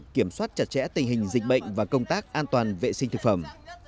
kiểm soát chặt chẽ tình hình dịch bệnh và công tác an toàn vệ sinh thực phẩm